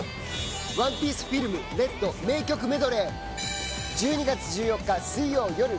「ＯＮＥＰＩＥＣＥＦＩＬＭＲＥＤ」名曲メドレー。